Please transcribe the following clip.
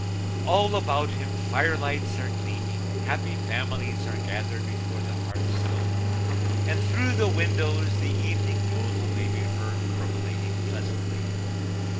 All about him firelights are gleaming, happy families are gathered before the hearthstone, and through the windows the evening yodel may be heard percolating pleasantly.